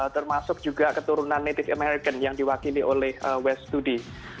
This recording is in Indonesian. termasuk juga keturunan native american yang diwakili oleh west studi